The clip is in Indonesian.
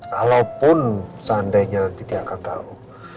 kalaupun seandainya nanti dia akan tahu